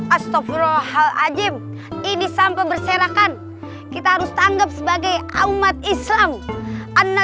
astagfirullahaladzim ini sampai berserakan kita harus tanggap sebagai umat islam anna